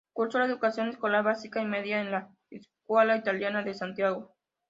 Cursó la educación escolar, básica y media, en la Scuola Italiana de Santiago.